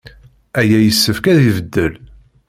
Aya yessefk ad ibeddel.